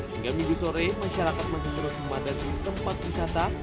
hingga minggu sore masyarakat masih terus memadati tempat wisata